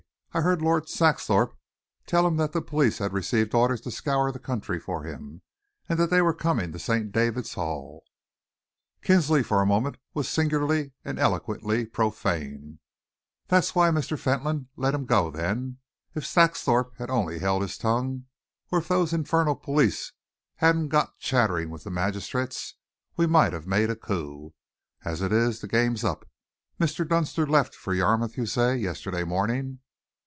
I heard Lord Saxthorpe tell him that the police had received orders to scour the country for him, and that they were coming to St. David's Hall." Kinsley, for a moment, was singularly and eloquently profane. "That's why Mr. Fentolin let him go, then. If Saxthorpe had only held his tongue, or if those infernal police hadn't got chattering with the magistrates, we might have made a coup. As it is, the game's up. Mr. Dunster left for Yarmouth, you say, yesterday morning?"